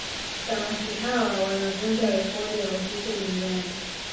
Samaki hawa wanavunja rekodi ya uzito duniani